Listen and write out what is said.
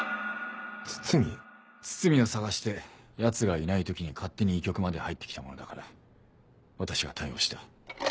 堤を捜してヤツがいない時に勝手に医局まで入ってきたものだから私が対応した。